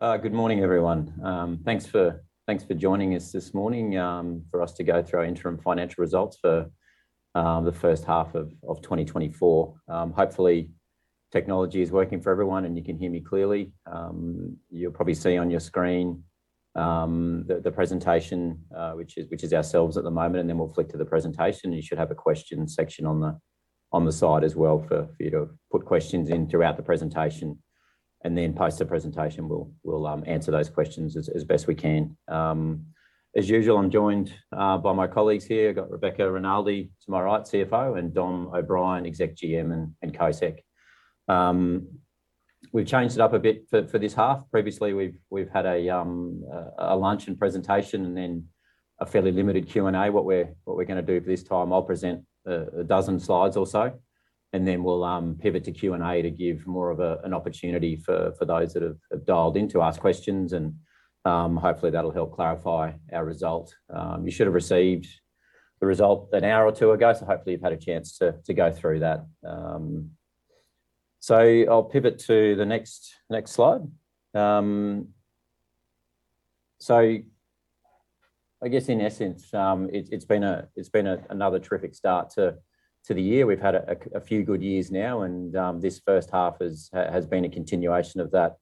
Good morning, everyone. Thanks for joining us this morning for us to go through our interim financial results for the first half of 2024. Hopefully technology is working for everyone and you can hear me clearly. You'll probably see on your screen the presentation which is ourselves at the moment and then we'll flick to the presentation. You should have a question section on the side as well for you to put questions in throughout the presentation. Then post the presentation we'll answer those questions as best we can. As usual, I'm joined by my colleagues here. I've got Rebecca Rinaldi to my right, CFO, and Dom O'Brien, Exec GM and COSEC. We've changed it up a bit for this half. Previously we've had a lunch and presentation and then a fairly limited Q&A. What we're going to do for this time I'll present a dozen slides or so and then we'll pivot to Q&A to give more of an opportunity for those that have dialed in to ask questions and hopefully that'll help clarify our result. You should have received the result an hour or two ago so hopefully you've had a chance to go through that. So I'll pivot to the next slide. So I guess in essence it's been another terrific start to the year. We've had a few good years now and this first half has been a continuation of that.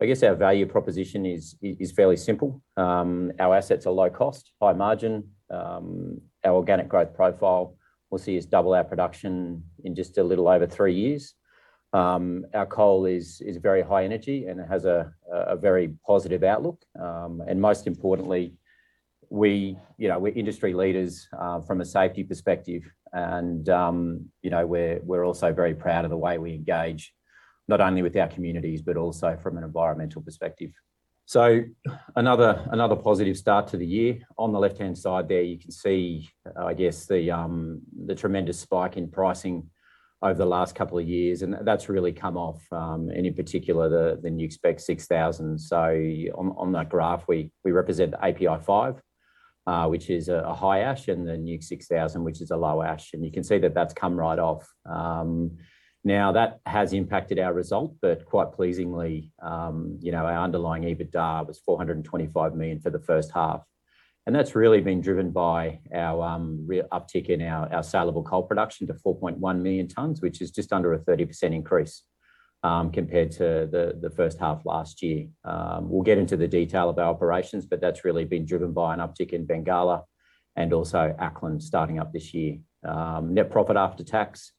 I guess our value proposition is fairly simple. Our assets are low cost high margin. Our organic growth profile we'll see is double our production in just a little over three years. Our coal is very high energy and it has a very positive outlook. And most importantly we you know we're industry leaders from a safety perspective and you know we're also very proud of the way we engage not only with our communities but also from an environmental perspective. So another positive start to the year. On the left-hand side there you can see I guess the tremendous spike in pricing over the last couple of years and that's really come off and in particular the NEWC Spec 6000. So on that graph we represent the API 5 which is a high ash and the NEWC 6000 which is a low ash. And you can see that that's come right off. Now that has impacted our result but quite pleasingly you know our underlying EBITDA was 425 million for the first half. And that's really been driven by our uptick in our saleable coal production to 4.1 million tonnes which is just under a 30% increase compared to the first half last year. We'll get into the detail of our operations but that's really been driven by an uptick in Bengalla and also New Acland starting up this year. Net profit after tax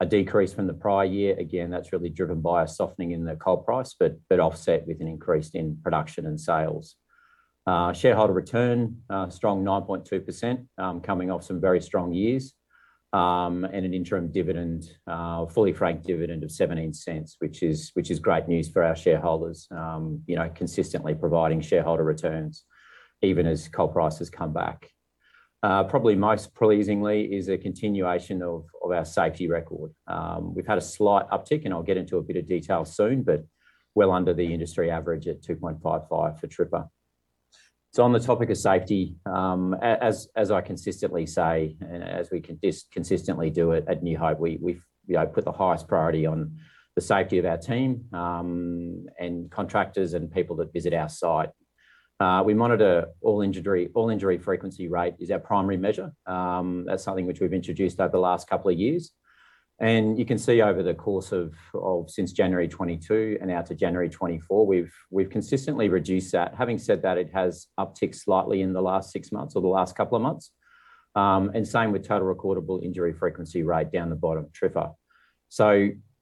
a decrease from the prior year. Again that's really driven by a softening in the coal price but offset with an increase in production and sales. Shareholder return strong 9.2% coming off some very strong years. And an interim dividend fully franked dividend of 0.17 which is great news for our shareholders. You know consistently providing shareholder returns even as coal prices come back. Probably most pleasingly is a continuation of our safety record. We've had a slight uptick and I'll get into a bit of detail soon but well under the industry average at 2.55 for TRIFR. So on the topic of safety as I consistently say and as we can do consistently do it at New Hope we've you know put the highest priority on the safety of our team and contractors and people that visit our site. We monitor all injury frequency rate is our primary measure. That's something which we've introduced over the last couple of years. And you can see over the course of since January 2022 and out to January 2024 we've consistently reduced that. Having said that, it has upticked slightly in the last six months or the last couple of months. Same with total recordable injury frequency rate down the bottom, TRIFR.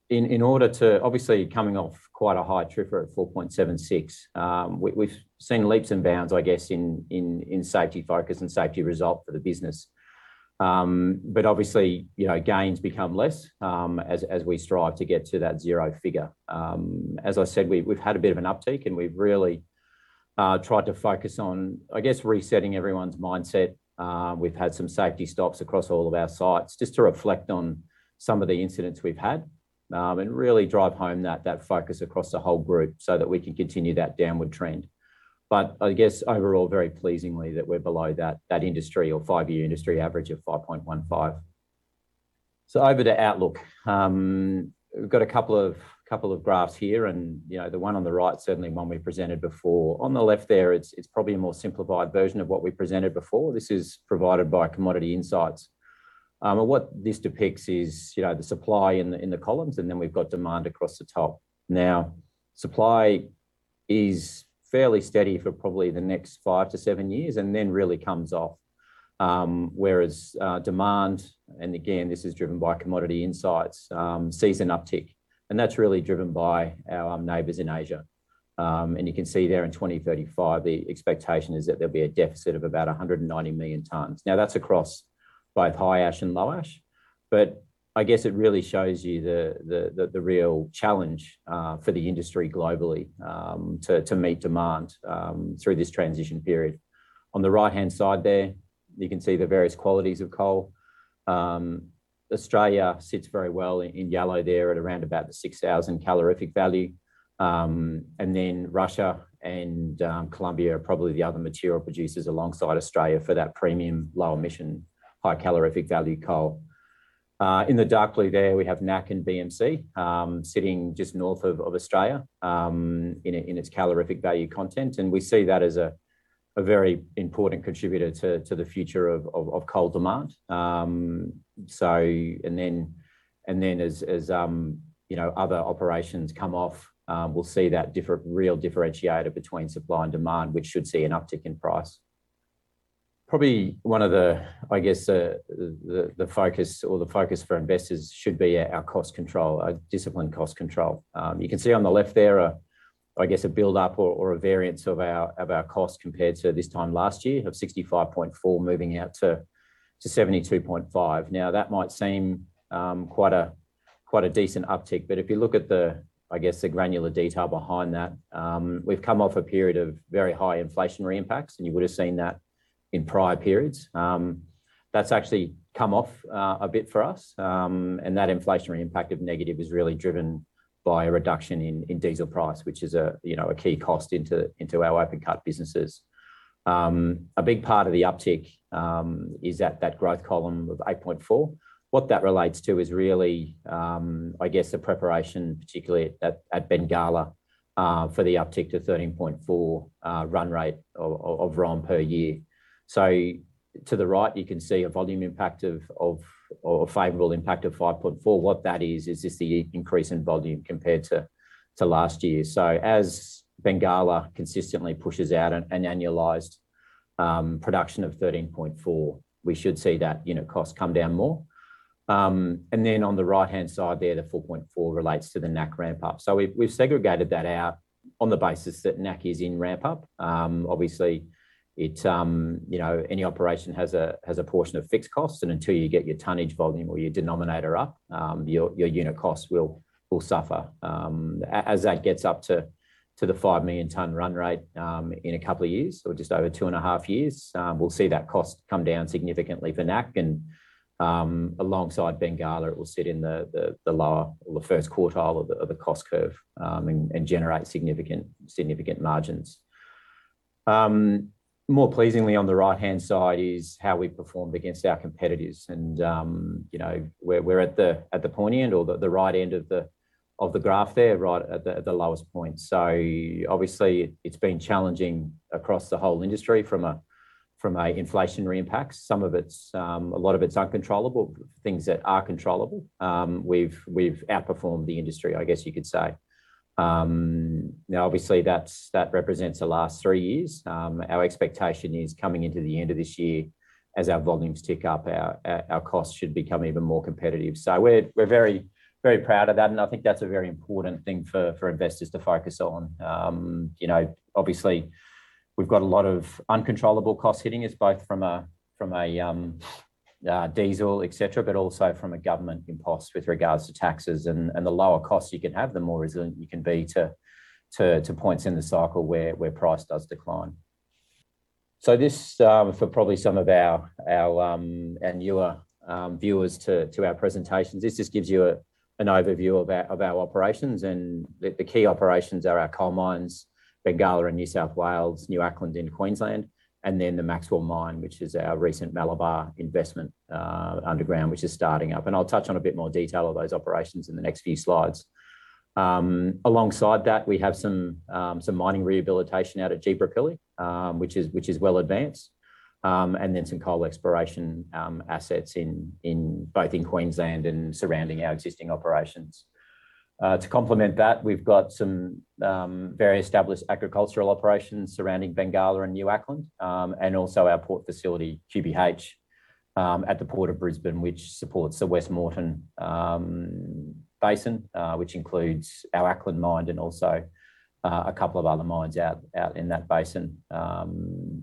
In order to obviously coming off quite a high TRIFR at 4.76, we've seen leaps and bounds, I guess, in safety focus and safety result for the business. Obviously, you know, gains become less as we strive to get to that zero figure. As I said, we've had a bit of an uptick, and we've really tried to focus on, I guess, resetting everyone's mindset. We've had some safety stops across all of our sites just to reflect on some of the incidents we've had and really drive home that focus across the whole group so that we can continue that downward trend. But I guess overall very pleasingly that we're below that industry or five-year industry average of 5.15. So over to outlook. We've got a couple of graphs here and you know the one on the right certainly one we presented before. On the left there it's probably a more simplified version of what we presented before. This is provided by Commodity Insights, and what this depicts is you know the supply in the columns and then we've got demand across the top. Now supply is fairly steady for probably the next five-seven years and then really comes off, whereas demand and again this is driven by Commodity Insights sees an uptick. And that's really driven by our neighbors in Asia, and you can see there in 2035 the expectation is that there'll be a deficit of about 190 million tonnes. Now that's across both high ash and low ash. But I guess it really shows you the real challenge for the industry globally to meet demand through this transition period. On the right-hand side there you can see the various qualities of coal. Australia sits very well in yellow there at around about the 6,000 calorific value. And then Russia and Colombia are probably the other material producers alongside Australia for that premium low emission high calorific value coal. In the dark blue there we have NAC and BMC sitting just north of Australia in its calorific value content. And we see that as a very important contributor to the future of coal demand. So as you know, other operations come off, we'll see that different real differentiator between supply and demand, which should see an uptick in price. Probably one of the, I guess, the focus for investors should be our cost control, our discipline cost control. You can see on the left there, I guess, a buildup or a variance of our cost compared to this time last year of 65.4 moving out to 72.5. Now that might seem quite a decent uptick, but if you look at the granular detail behind that, we've come off a period of very high inflationary impacts, and you would have seen that in prior periods. That's actually come off a bit for us. And that inflationary impact of negative is really driven by a reduction in diesel price which is a you know a key cost into our open cut businesses. A big part of the uptick is that growth column of 8.4. What that relates to is really I guess the preparation particularly at Bengalla for the uptick to 13.4 run rate of ROM per year. So to the right you can see a volume impact of or a favorable impact of 5.4. What that is is just the increase in volume compared to last year. So as Bengalla consistently pushes out an annualized production of 13.4 we should see that you know cost come down more. And then on the right-hand side there the 4.4 relates to the NAC ramp up. So we've segregated that out on the basis that NAC is in ramp up. Obviously it, you know, any operation has a portion of fixed costs and until you get your tonnage volume or your denominator up your unit costs will suffer. As that gets up to the 5 million tonne run rate in a couple of years or just over 2.5 years we'll see that cost come down significantly for NAC and alongside Bengalla it will sit in the lower or the first quartile of the cost curve and generate significant margins. More pleasingly on the right-hand side is how we performed against our competitors and you know we're at the poignant or the right end of the graph there right at the lowest point. So obviously it's been challenging across the whole industry from an inflationary impact. Some of it's a lot of it's uncontrollable things that are controllable. We've outperformed the industry I guess you could say. Now obviously that represents the last three years. Our expectation is coming into the end of this year as our volumes tick up, our costs should become even more competitive. So we're very proud of that and I think that's a very important thing for investors to focus on. You know obviously we've got a lot of uncontrollable costs hitting us both from a diesel etc. but also from a government impulse with regards to taxes and the lower costs you can have the more resilient you can be to points in the cycle where price does decline. So this for probably some of our and your viewers to our presentations this just gives you an overview of our operations and the key operations are our coal mines Bengalla in New South Wales, New Acland in Queensland, and then the Maxwell mine which is our recent Malabar investment underground which is starting up. I'll touch on a bit more detail of those operations in the next few slides. Alongside that we have some mining rehabilitation out at Jeebropilly which is well advanced, and then some coal exploration assets in both Queensland and surrounding our existing operations. To complement that, we've got some very established agricultural operations surrounding Bengala and New Acland and also our port facility QBH at the Port of Brisbane which supports the West Moreton Basin which includes our Acland mine and also a couple of other mines out in that basin.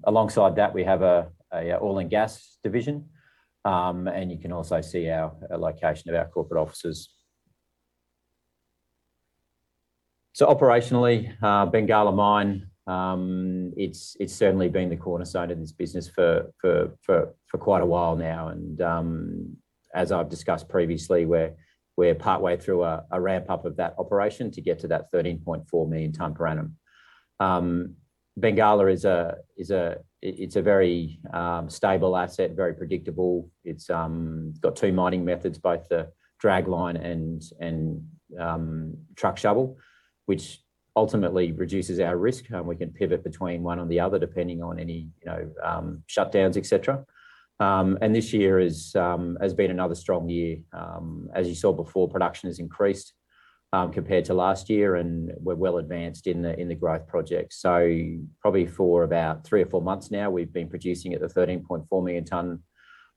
Alongside that we have a oil and gas division and you can also see our location of our corporate offices. So operationally Bengala Mine it's certainly been the cornerstone of this business for quite a while now and as I've discussed previously we're partway through a ramp up of that operation to get to that 13.4 million tonne per annum. Bengala is a it's a very stable asset very predictable. It's got two mining methods: both the dragline and truck shovel, which ultimately reduces our risk, and we can pivot between one or the other depending on any, you know, shutdowns, etc. And this year has been another strong year. As you saw before, production has increased compared to last year, and we're well advanced in the growth projects. So probably for about three or four months now we've been producing at the 13.4 million tonne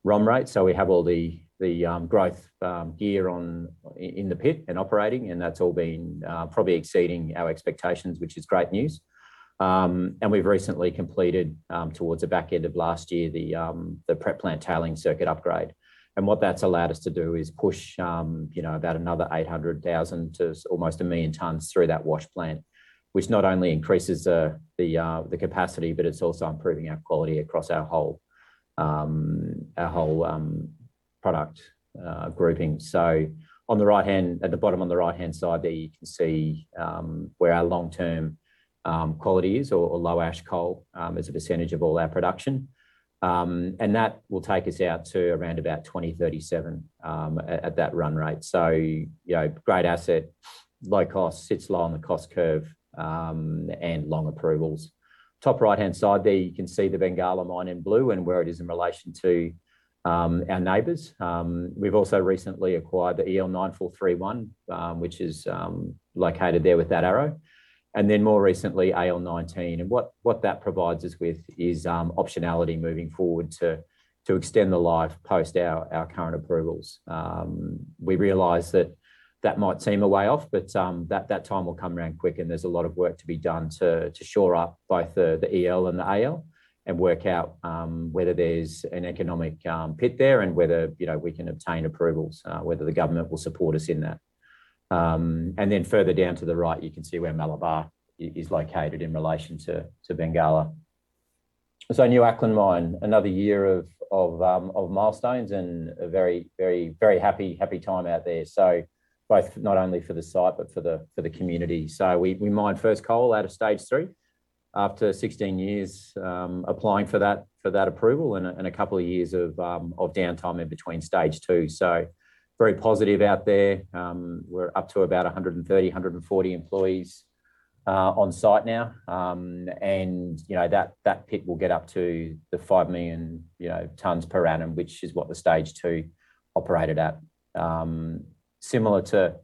ROM rate. So we have all the growth gear on in the pit and operating, and that's all been probably exceeding our expectations, which is great news. And we've recently completed, towards the back end of last year, the prep plant tailing circuit upgrade. What that's allowed us to do is push you know about another 800,000 to almost 1 million tons through that wash plant which not only increases the capacity but it's also improving our quality across our whole product grouping. On the right-hand at the bottom on the right-hand side there you can see where our long term quality is or low ash coal as a percentage of all our production, and that will take us out to around about 2037 at that run rate. You know great asset low cost sits low on the cost curve and long approvals. Top right-hand side there you can see the Bengala mine in blue and where it is in relation to our neighbors. We've also recently acquired the EL 9431 which is located there with that arrow and then more recently AL 19. What that provides us with is optionality moving forward to extend the life post our current approvals. We realize that might seem a way off but that time will come around quick and there's a lot of work to be done to shore up both the EL and the AL and work out whether there's an economic pit there and whether you know we can obtain approvals whether the government will support us in that. And then further down to the right you can see where Malabar is located in relation to Bengala. So New Acland Mine another year of milestones and a very happy time out there. So both not only for the site but for the community. So we mine first coal out of stage three after 16 years applying for that approval and a couple of years of downtime in between stage two. So very positive out there. We're up to about 130-140 employees on site now. And you know that pit will get up to the 5 million you know tonnes per annum which is what the stage two operated at. Similar to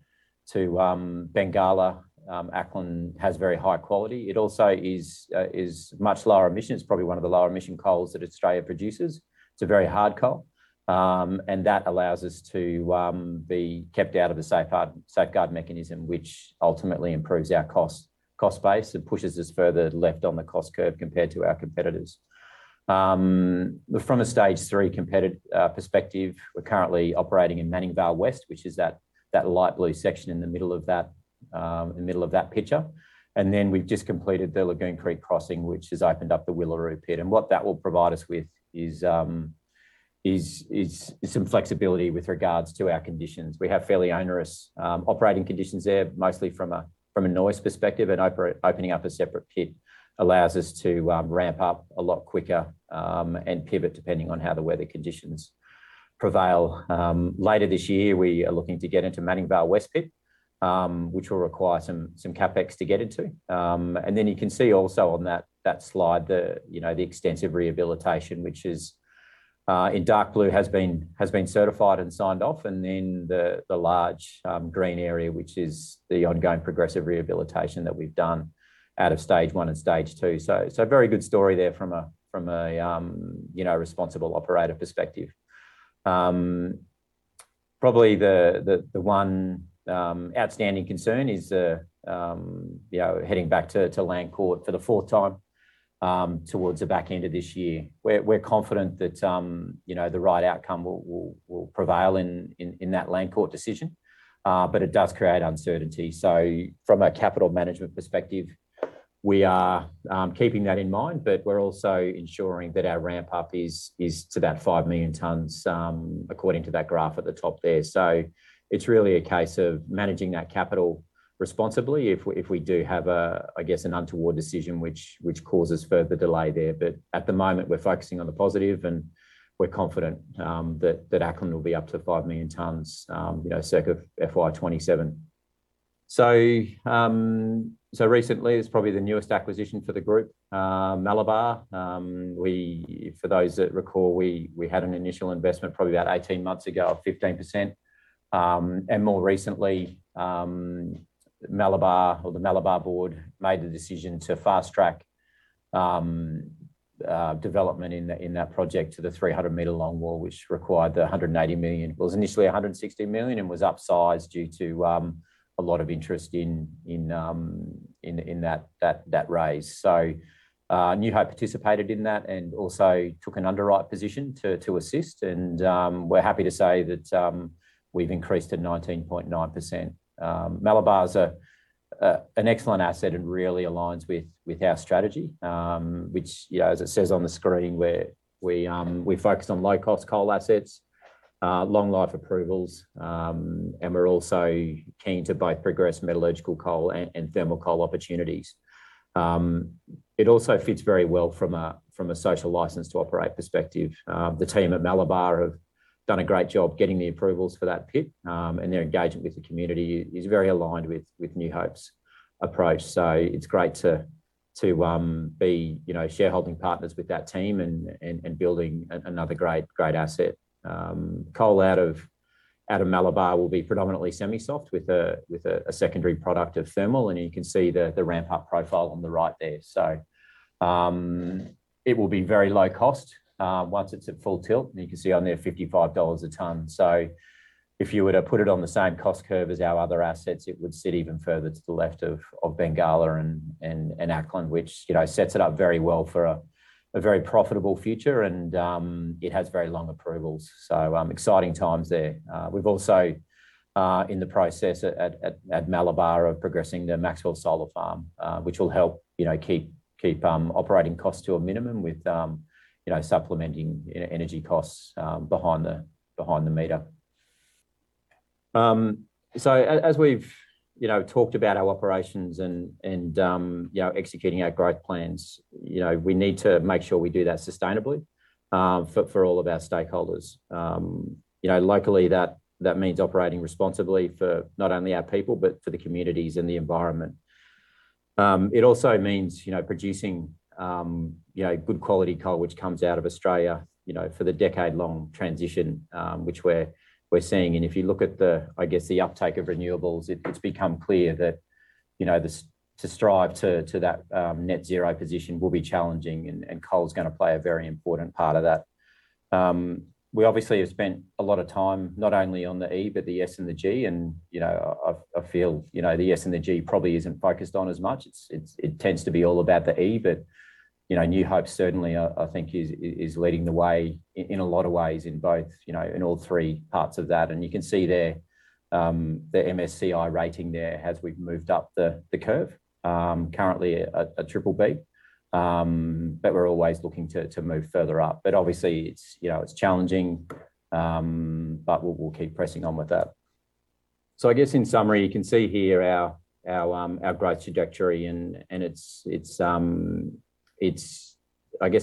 Bengala, Acland has very high quality. It also is much lower emissions. It's probably one of the lower emission coals that Australia produces. It's a very hard coal and that allows us to be kept out of a Safeguard Mechanism which ultimately improves our cost base and pushes us further left on the cost curve compared to our competitors. From a Stage 3 competitive perspective, we're currently operating in Manning Vale West, which is that light blue section in the middle of that picture. And then we've just completed the Lagoon Creek Crossing, which has opened up the Willeroo Pit. And what that will provide us with is some flexibility with regards to our conditions. We have fairly onerous operating conditions there mostly from a noise perspective, and opening up a separate pit allows us to ramp up a lot quicker and pivot depending on how the weather conditions prevail. Later this year, we are looking to get into Manning Vale West Pit, which will require some CapEx to get into. And then you can see also on that slide the you know the extensive rehabilitation which is in dark blue has been certified and signed off and then the large green area which is the ongoing progressive rehabilitation that we've done out of stage one and stage two. So very good story there from a you know responsible operator perspective. Probably the one outstanding concern is you know heading back to Land Court for the fourth time towards the back end of this year. We're confident that you know the right outcome will prevail in that Land Court decision but it does create uncertainty. So from a capital management perspective we are keeping that in mind but we're also ensuring that our ramp up is to that 5 million tonnes according to that graph at the top there. So it's really a case of managing that capital responsibly if we do have a I guess an untoward decision which causes further delay there. But at the moment we're focusing on the positive and we're confident that that Acland will be up to 5 million tonnes you know circa FY 2027. So recently it's probably the newest acquisition for the group Malabar. For those that recall, we had an initial investment probably about 18 months ago of 15% and more recently Malabar or the Malabar board made the decision to fast track development in that project to the 300-meter longwall which required the 180 million. It was initially 160 million and was upsized due to a lot of interest in that raise. So New Hope participated in that and also took an underwrite position to assist and we're happy to say that we've increased at 19.9%. Malabar is an excellent asset and really aligns with our strategy which you know as it says on the screen we're we focus on low cost coal assets long life approvals and we're also keen to both progress metallurgical coal and thermal coal opportunities. It also fits very well from a social license to operate perspective. The team at Malabar have done a great job getting the approvals for that pit and their engagement with the community is very aligned with New Hope's approach. So it's great to be you know shareholding partners with that team and building another great asset. Coal out of Malabar will be predominantly semi-soft with a secondary product of thermal and you can see the ramp up profile on the right there. So it will be very low cost once it's at full tilt and you can see on there $55 a tonne. So if you were to put it on the same cost curve as our other assets it would sit even further to the left of Bengala and Ackland which you know sets it up very well for a very profitable future and it has very long approvals. So exciting times there. We've also in the process at Malabar of progressing the Maxwell Solar Farm which will help you know keep operating costs to a minimum with you know supplementing energy costs behind the meter. So as we've you know talked about our operations and you know executing our growth plans you know we need to make sure we do that sustainably for all of our stakeholders. You know locally that means operating responsibly for not only our people but for the communities and the environment. It also means you know producing you know good quality coal which comes out of Australia you know for the decade long transition which we're we're seeing. And if you look at the I guess the uptake of renewables it's become clear that you know the to strive to to that net zero position will be challenging and and coal is going to play a very important part of that. We obviously have spent a lot of time not only on the E but the S and the G and you know I feel you know the S and the G probably isn't focused on as much. It's it's it tends to be all about the E but you know New Hope certainly I think is is leading the way in a lot of ways in both you know in all three parts of that. You can see there the MSCI rating there has we've moved up the curve currently a triple B but we're always looking to move further up. But obviously it's you know it's challenging but we'll keep pressing on with that. So I guess in summary you can see here our growth trajectory and it's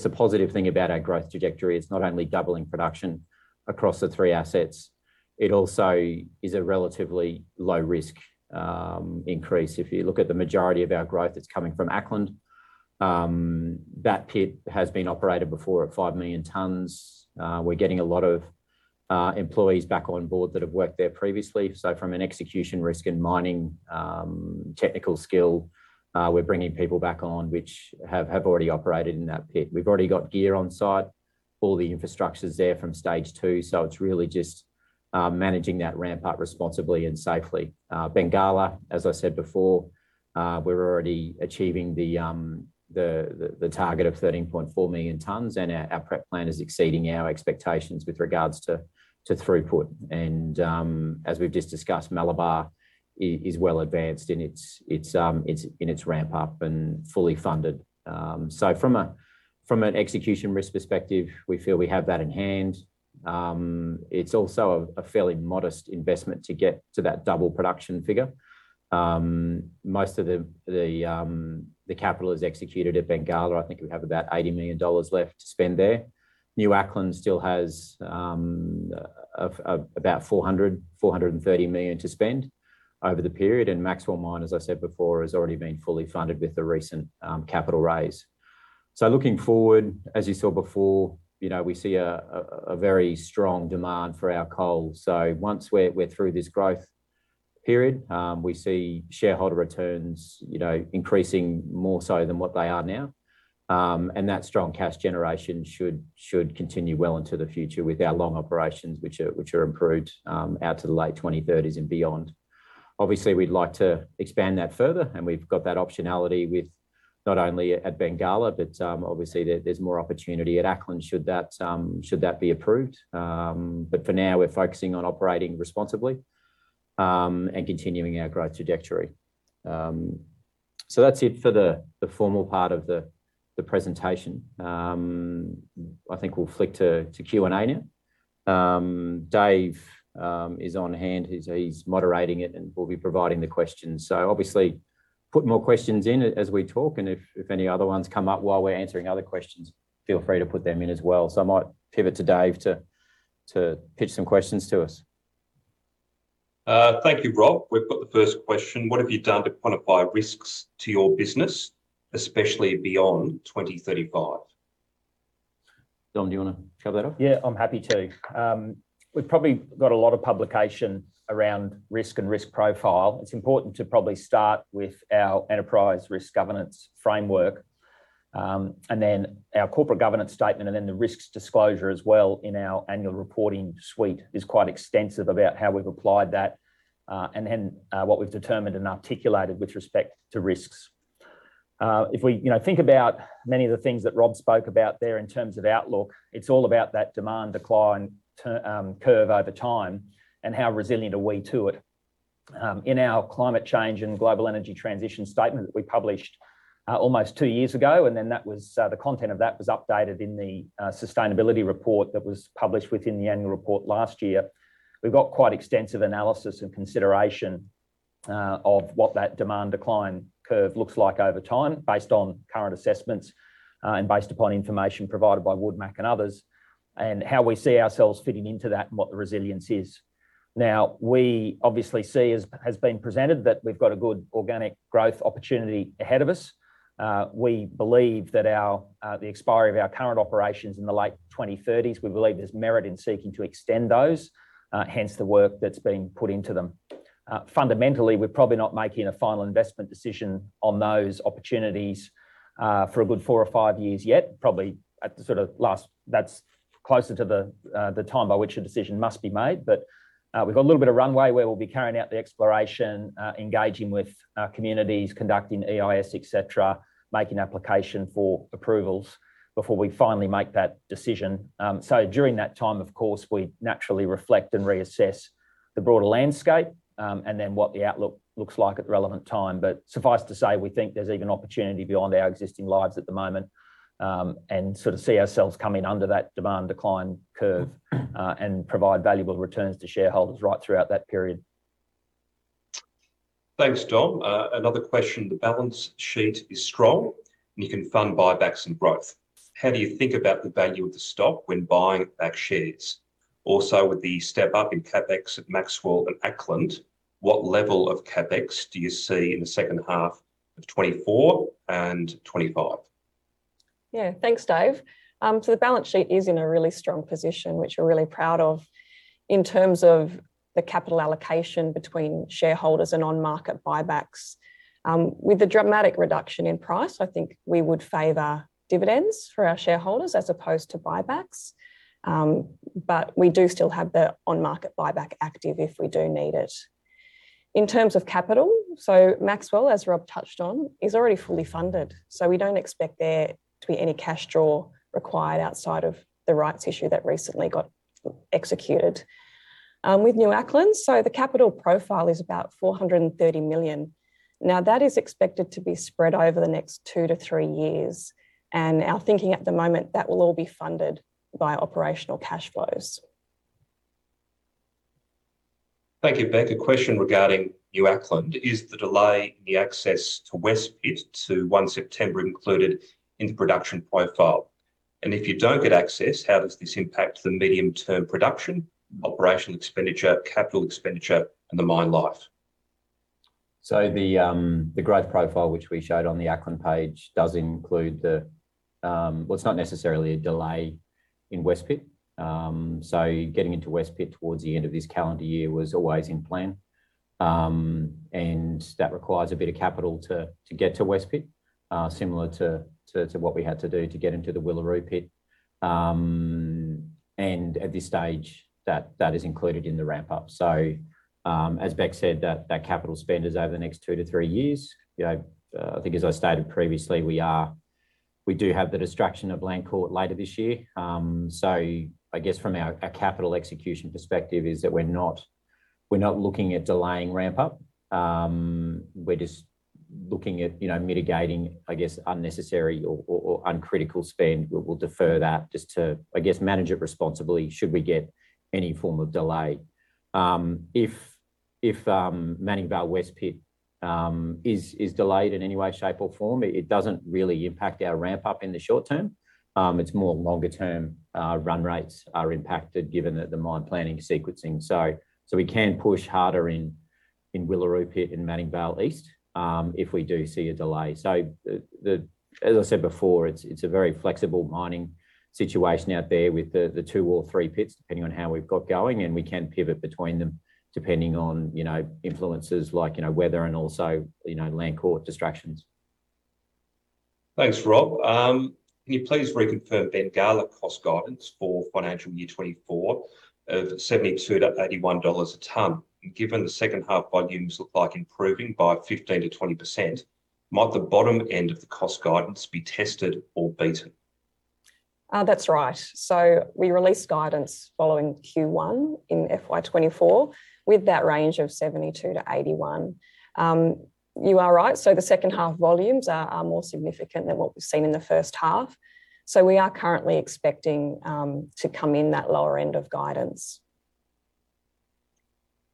a positive thing about our growth trajectory is not only doubling production across the three assets it also is a relatively low risk increase. If you look at the majority of our growth it's coming from Acland. That pit has been operated before at 5 million tons. We're getting a lot of employees back on board that have worked there previously. So from an execution risk and mining technical skill we're bringing people back on which have already operated in that pit. We've already got gear on site. All the infrastructure is there from stage two. So it's really just managing that ramp up responsibly and safely. Bengala, as I said before, we're already achieving the target of 13.4 million tonnes, and our prep plan is exceeding our expectations with regards to throughput. And as we've just discussed, Malabar is well advanced in its ramp up and fully funded. So from an execution risk perspective, we feel we have that in hand. It's also a fairly modest investment to get to that double production figure. Most of the capital is executed at Bengala. I think we have about 80 million dollars left to spend there. New Acland still has about 400-430 million to spend over the period and Maxwell Mine as I said before has already been fully funded with a recent capital raise. So looking forward as you saw before you know we see a very strong demand for our coal. So once we're through this growth period we see shareholder returns you know increasing more so than what they are now. And that strong cash generation should continue well into the future with our long operations which are improved out to the late 2030s and beyond. Obviously we'd like to expand that further and we've got that optionality with not only at Bengala but obviously there's more opportunity at New Acland should that be approved. But for now we're focusing on operating responsibly and continuing our growth trajectory. So that's it for the formal part of the presentation. I think we'll flick to Q&A now. Dave is on hand. He's moderating it and will be providing the questions. So obviously put more questions in as we talk and if any other ones come up while we're answering other questions feel free to put them in as well. So I might pivot to Dave to pitch some questions to us. Thank you Rob. We've put the first question. What have you done to quantify risks to your business especially beyond 2035? Dom, do you want to cover that off? Yeah, I'm happy to. We've probably got a lot of publication around risk and risk profile. It's important to probably start with our enterprise risk governance framework and then our corporate governance statement and then the risks disclosure as well. In our annual reporting suite is quite extensive about how we've applied that and then what we've determined and articulated with respect to risks. If we you know think about many of the things that Rob spoke about there in terms of outlook it's all about that demand decline curve over time and how resilient are we to it? In our climate change and global energy transition statement that we published almost two years ago and then that was the content of that was updated in the sustainability report that was published within the annual report last year we've got quite extensive analysis and consideration of what that demand decline curve looks like over time based on current assessments and based upon information provided by Wood Mackenzie and others and how we see ourselves fitting into that and what the resilience is. Now we obviously see as has been presented that we've got a good organic growth opportunity ahead of us. We believe that our the expiry of our current operations in the late 2030s we believe there's merit in seeking to extend those hence the work that's been put into them. Fundamentally we're probably not making a final investment decision on those opportunities for a good 4 or 5 years yet probably at the sort of last that's closer to the the time by which a decision must be made. But we've got a little bit of runway where we'll be carrying out the exploration engaging with communities conducting EIS etc making application for approvals before we finally make that decision. So during that time of course we naturally reflect and reassess the broader landscape and then what the outlook looks like at the relevant time. But suffice to say we think there's even opportunity beyond our existing lives at the moment and sort of see ourselves coming under that demand decline curve and provide valuable returns to shareholders right throughout that period. Thanks Dom. Another question. The balance sheet is strong and you can fund buybacks and growth. How do you think about the value of the stock when buying back shares? Also with the step up in CapEx at Maxwell and Acland what level of CapEx do you see in the second half of 2024 and 2025? Yeah thanks Dave. So the balance sheet is in a really strong position which we're really proud of in terms of the capital allocation between shareholders and on market buybacks. With the dramatic reduction in price I think we would favor dividends for our shareholders as opposed to buybacks. But we do still have the on market buyback active if we do need it. In terms of capital so Maxwell as Rob touched on is already fully funded so we don't expect there to be any cash draw required outside of the rights issue that recently got executed. With New Acland so the capital profile is about 430 million. Now that is expected to be spread over the next 2-3 years and our thinking at the moment that will all be funded by operational cash flows. Thank you Becca. Question regarding New Acland. Is the delay in the access to West Pit to 1 September included in the production profile? And if you don't get access how does this impact the medium term production, operational expenditure, capital expenditure and the mine life? So the growth profile which we showed on the Acland page does include the well it's not necessarily a delay in West Pit. So getting into West Pit towards the end of this calendar year was always in plan. And that requires a bit of capital to get to West Pit similar to what we had to do to get into the Willeroo Pit. At this stage that is included in the ramp up. So as Becca said that capital spend is over the next two to three years. You know I think as I stated previously we do have the distraction of Land Court later this year. So I guess from our capital execution perspective is that we're not looking at delaying ramp up. We're just looking at you know mitigating I guess unnecessary or uncritical spend. We'll defer that just to I guess manage it responsibly should we get any form of delay. If Manning Vale West Pit is delayed in any way shape or form it doesn't really impact our ramp up in the short term. It's more longer term run rates are impacted given that the mine planning sequencing. So we can push harder in Willeroo Pit and Manning Vale East if we do see a delay. So as I said before it's a very flexible mining situation out there with the two or three pits depending on how we've got going and we can pivot between them depending on you know influences like you know weather and also you know Land Court distractions. Thanks Rob. Can you please reconfirm Bengala cost guidance for financial year 2024 of AUD 72-$81 a tonne? Given the second half volumes look like improving by 15%-20% might the bottom end of the cost guidance be tested or beaten? That's right. So we released guidance following Q1 in FY 2024 with that range of AUD 72-$81. You are right so the second half volumes are more significant than what we've seen in the first half. So we are currently expecting to come in that lower end of guidance.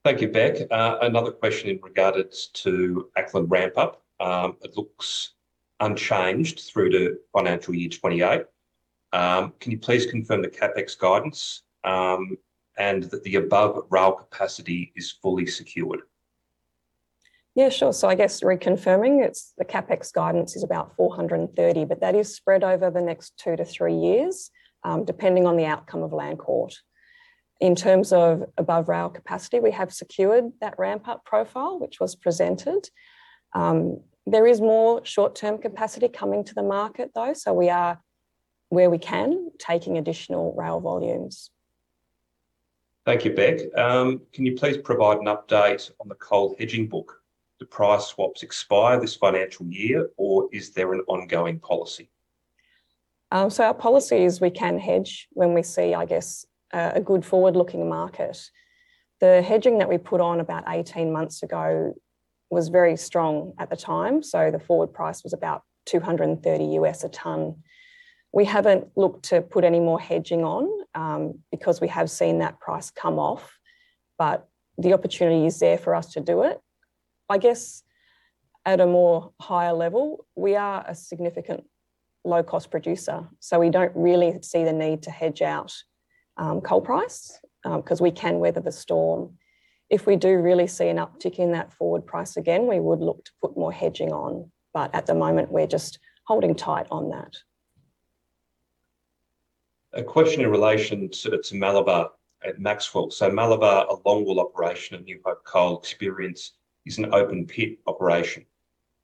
Thank you Becca. Another question in regards to Acland ramp up. It looks unchanged through to financial year 2028. Can you please confirm the CapEx guidance and that the above rail capacity is fully secured? Yeah sure. So I guess reconfirming it's the CapEx guidance is about 430 but that is spread over the next two to three years depending on the outcome of Land Court. In terms of above rail capacity we have secured that ramp up profile which was presented. There is more short term capacity coming to the market though so we are where we can taking additional rail volumes. Thank you Becca. Can you please provide an update on the coal hedging book? The price swaps expire this financial year or is there an ongoing policy? So our policy is we can hedge when we see, I guess, a good forward-looking market. The hedging that we put on about 18 months ago was very strong at the time, so the forward price was about $230 a tonne. We haven't looked to put any more hedging on because we have seen that price come off, but the opportunity is there for us to do it. I guess at a more higher level, we are a significant low-cost producer, so we don't really see the need to hedge out coal price because we can weather the storm. If we do really see an uptick in that forward price again, we would look to put more hedging on, but at the moment we're just holding tight on that. A question in relation to Malabar at Maxwell. So, Malabar, a longwall operation at New Hope Coal experience is an open pit operation.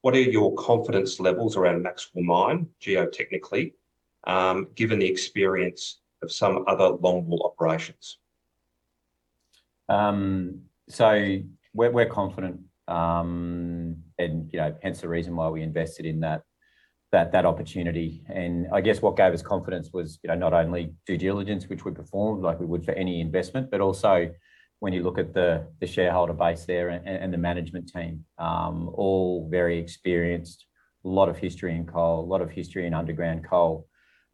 What are your confidence levels around Maxwell Mine geotechnically given the experience of some other longwall operations? We're confident, you know, hence the reason why we invested in that opportunity. I guess what gave us confidence was you know not only due diligence which we performed like we would for any investment but also when you look at the shareholder base there and the management team all very experienced, a lot of history in coal, a lot of history in underground coal.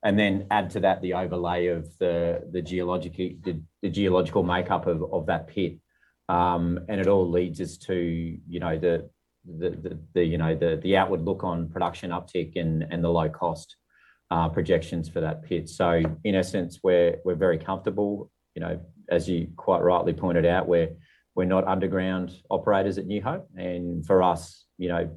And then add to that the overlay of the geological makeup of that pit and it all leads us to you know the outward look on production uptick and the low cost projections for that pit. So in essence we're very comfortable you know as you quite rightly pointed out we're not underground operators at New Hope and for us you know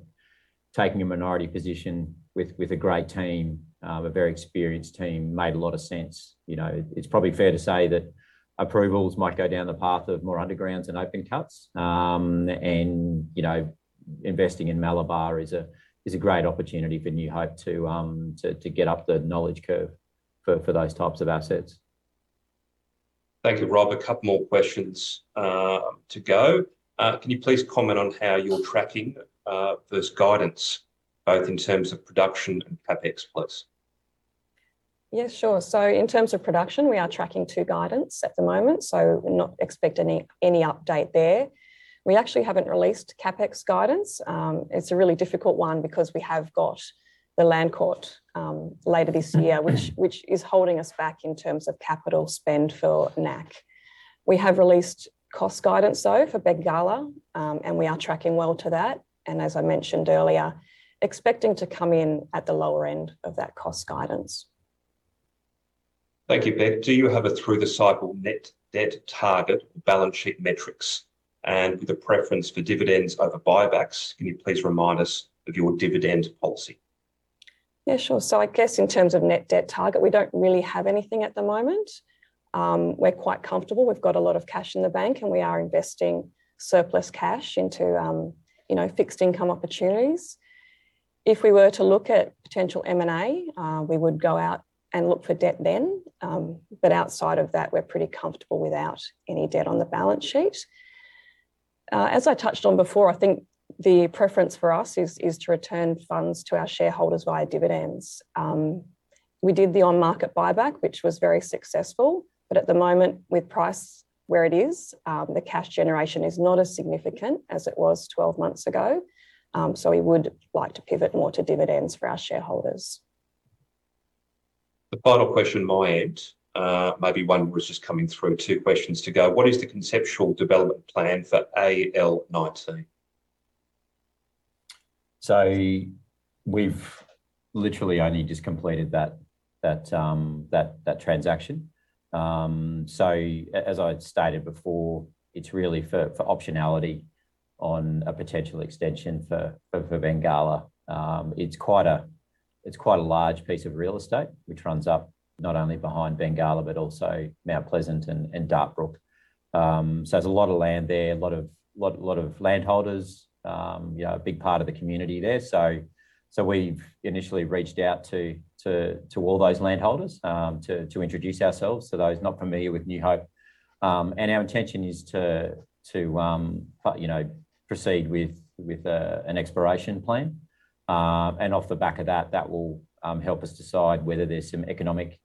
taking a minority position with a great team a very experienced team made a lot of sense. You know it's probably fair to say that approvals might go down the path of more undergrounds and open cuts and you know investing in Malabar is a great opportunity for New Hope to get up the knowledge curve for those types of assets. Thank you Rob. A couple more questions to go. Can you please comment on how you're tracking this guidance both in terms of production and CapEx plus? Yeah sure. So in terms of production we are tracking to guidance at the moment so we're not expect any update there. We actually haven't released CapEx guidance. It's a really difficult one because we have got the Land Court later this year which is holding us back in terms of capital spend for NAC. We have released cost guidance though for Bengalla and we are tracking well to that and as I mentioned earlier expecting to come in at the lower end of that cost guidance. Thank you Becca. Do you have a through the cycle net debt target or balance sheet metrics and with a preference for dividends over buybacks can you please remind us of your dividend policy? Yeah sure. So, I guess in terms of net debt target, we don't really have anything at the moment. We're quite comfortable. We've got a lot of cash in the bank, and we are investing surplus cash into, you know, fixed income opportunities. If we were to look at potential M&A, we would go out and look for debt then. But outside of that, we're pretty comfortable without any debt on the balance sheet. As I touched on before, I think the preference for us is to return funds to our shareholders via dividends. We did the on-market buyback, which was very successful, but at the moment with price where it is, the cash generation is not as significant as it was 12 months ago. So we would like to pivot more to dividends for our shareholders. The final question my end maybe one was just coming through two questions to go. What is the conceptual development plan for AL 19? So we've literally only just completed that transaction. So as I stated before it's really for optionality on a potential extension for Bengalla. It's quite a large piece of real estate which runs up not only behind Bengalla but also Mount Pleasant and Dartbrook. So there's a lot of land there a lot of landholders you know a big part of the community there. So we've initially reached out to all those landholders to introduce ourselves for those not familiar with New Hope. And our intention is to you know proceed with an exploration plan. And off the back of that, that will help us decide whether there's some economic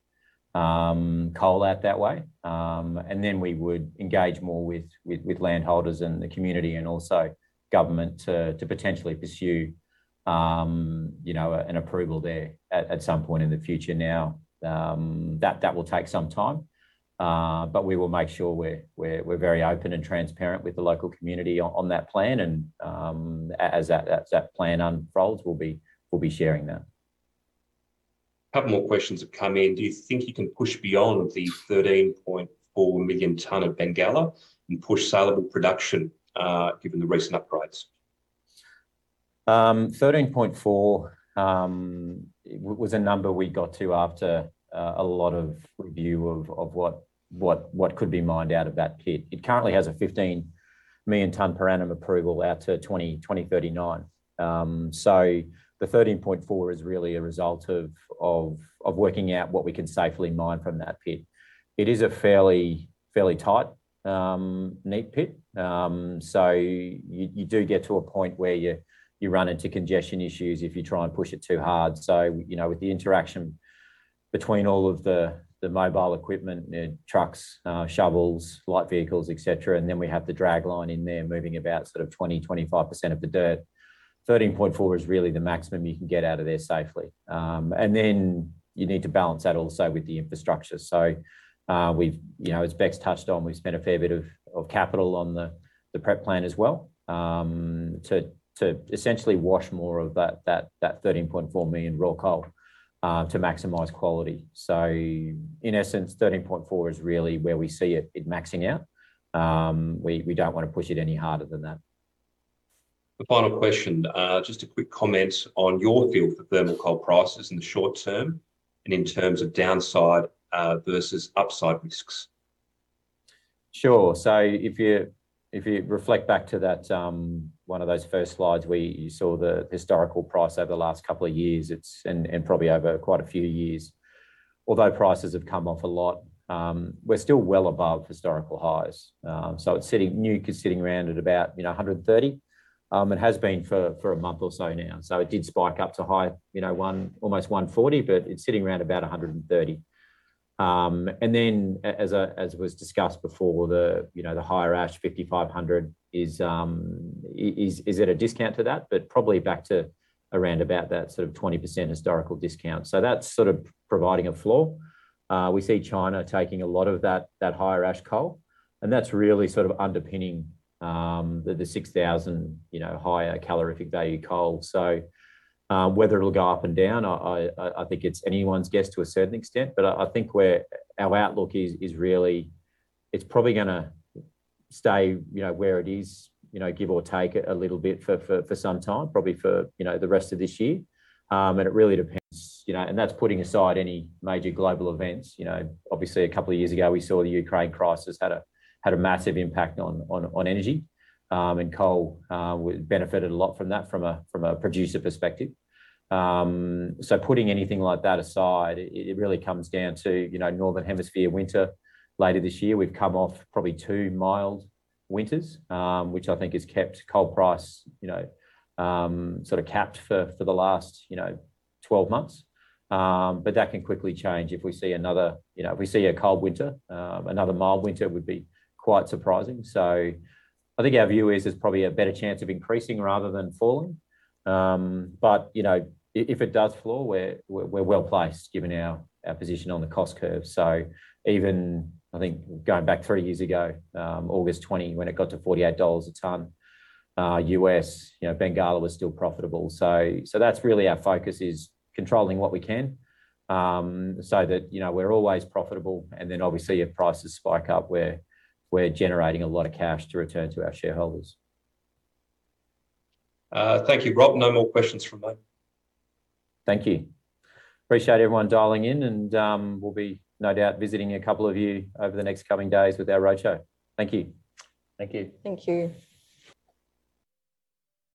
coal out that way. And then we would engage more with landholders and the community and also government to potentially pursue you know an approval there at some point in the future. Now, that will take some time, but we will make sure we're very open and transparent with the local community on that plan and as that plan unfolds, we'll be sharing that. A couple more questions have come in. Do you think you can push beyond the 13.4 million tons of Bengalla and push saleable production given the recent write-ups? 13.4 was a number we got to after a lot of review of what could be mined out of that pit. It currently has a 15 million tonne per annum approval out to 2039. So the 13.4 is really a result of working out what we can safely mine from that pit. It is a fairly tight neat pit. So you do get to a point where you run into congestion issues if you try and push it too hard. So you know with the interaction between all of the mobile equipment, trucks, shovels, light vehicles, etc. and then we have the dragline in there moving about sort of 20%-25% of the dirt, 13.4 is really the maximum you can get out of there safely. And then you need to balance that also with the infrastructure. So we've, you know, as Becca's touched on, we've spent a fair bit of capital on the prep plan as well to essentially wash more of that 13.4 million raw coal to maximize quality. So in essence, 13.4 is really where we see it maxing out. We don't want to push it any harder than that. The final question: just a quick comment on your feel for thermal coal prices in the short term and in terms of downside versus upside risks? Sure. So if you reflect back to that, one of those first slides, you saw the historical price over the last couple of years. It's and probably over quite a few years, although prices have come off a lot, we're still well above historical highs. So it's sitting—New Hope is sitting around at about, you know, $130. It has been for a month or so now. So it did spike up to high, you know, one almost $140, but it's sitting around about $130. And then, as was discussed before, the, you know, the higher ash $5,500 is at a discount to that, but probably back to around about that sort of 20% historical discount. So that's sort of providing a floor. We see China taking a lot of that higher ash coal, and that's really sort of underpinning the 6,000, you know, higher calorific value coal. So whether it'll go up and down, I think it's anyone's guess to a certain extent, but I think where our outlook is really it's probably going to stay, you know, where it is, you know, give or take it a little bit for some time, probably for, you know, the rest of this year. And it really depends, you know, and that's putting aside any major global events. You know, obviously a couple of years ago we saw the Ukraine crisis had a massive impact on energy, and coal benefited a lot from that from a producer perspective. So putting anything like that aside, it really comes down to, you know, northern hemisphere winter later this year. We've come off probably two mild winters, which I think has kept coal price, you know, sort of capped for the last 12 months. But that can quickly change if we see another, you know, if we see a cold winter. Another mild winter would be quite surprising. So I think our view is there's probably a better chance of increasing rather than falling. But you know, if it does floor, we're well placed given our position on the cost curve. So even I think going back three years ago, August 2020, when it got to $48 a tonne U.S., you know, Bengalla was still profitable. So that's really our focus is controlling what we can so that you know we're always profitable and then obviously if prices spike up we're generating a lot of cash to return to our shareholders. Thank you Rob. No more questions from me. Thank you. Appreciate everyone dialing in and we'll be no doubt visiting a couple of you over the next coming days with our roadshow. Thank you. Thank you. Thank you.